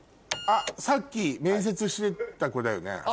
さっき面接してた子だよね？